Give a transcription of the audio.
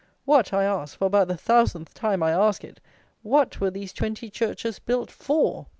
What, I ask, for about the thousandth time I ask it; what were these twenty churches built for?